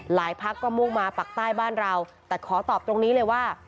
พักก็มุ่งมาปักใต้บ้านเราแต่ขอตอบตรงนี้เลยว่า